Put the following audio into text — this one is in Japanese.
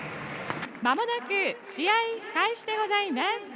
まもなく試合開始でございます。